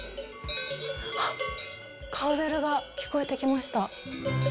あっ、カウベルが聞こえてきました。